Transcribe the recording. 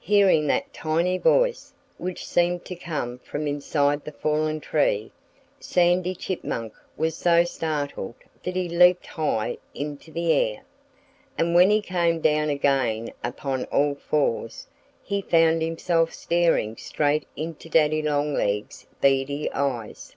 Hearing that tiny voice, which seemed to come from inside the fallen tree, Sandy Chipmunk was so startled that he leaped high into the air; and when he came down again upon all fours he found himself staring straight into Daddy Longlegs' beady eyes.